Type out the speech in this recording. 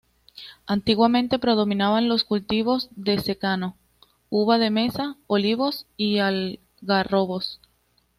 Antiguamente predominaban los cultivos de secano: uva de mesa, olivos y algarrobos.